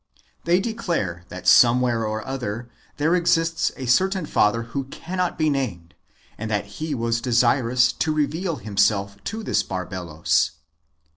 ^ They declare that somewhere or other there exists a certain father who cannot be named, and that he was desirous to reveal himself to this Barbelos.